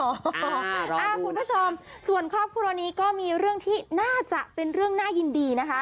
คุณผู้ชมส่วนครอบครัวนี้ก็มีเรื่องที่น่าจะเป็นเรื่องน่ายินดีนะคะ